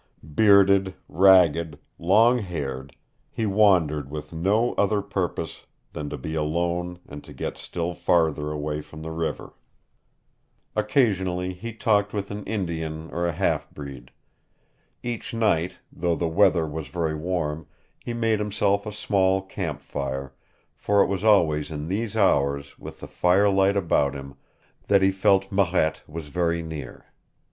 Bearded, ragged, long haired, he wandered with no other purpose than to be alone and to get still farther away from the river. Occasionally he talked with an Indian or a half breed. Each night, though the weather was very warm, he made himself a small camp fire, for it was always in these hours, with the fire light about him, that he felt Marette was very near.